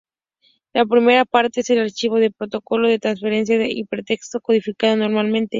La primera parte es el archivo del protocolo de transferencia de hipertexto, codificado normalmente.